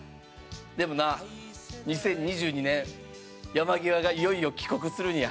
でもな２０２２年山際がいよいよ帰国するんや。